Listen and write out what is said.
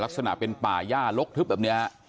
ลักษณะเป็นป่าย่าลกทึบแบบนี้ฮะ